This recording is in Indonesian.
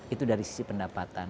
itu dari sisi pendapatan